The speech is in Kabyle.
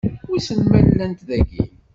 Wissen ma llant dagi?